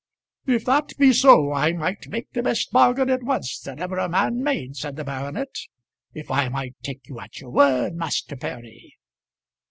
"If that be so, I might make the best bargain at once that ever a man made," said the baronet. "If I might take you at your word, Master Perry